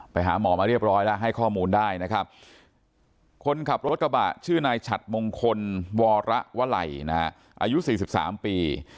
ไปหาหมอมาเรียบร้อยแล้วให้ข้อมูลได้นะครับคนขับรถกระบะชื่อนายฉัดมงคลวรวลัยนะฮะอายุ๔๓ปี